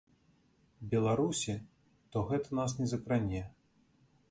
Беларусі, то гэта нас не закране.